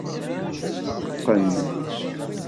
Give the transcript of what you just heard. Qqen.